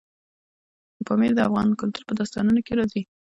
پامیر د افغان کلتور په داستانونو کې راځي.